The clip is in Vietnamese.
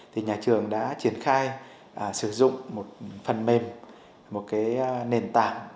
thì nhà trường đã triển khai sử dụng một phần mềm một cái nền tảng